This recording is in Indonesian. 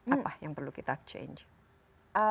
apa yang perlu kita change